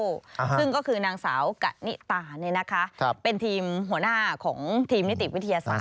ซึ่งก็คือนางสาวกะนิตาเป็นทีมหัวหน้าของทีมนิติวิทยาศาสตร์